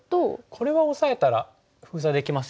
これはオサえたら封鎖できますよね。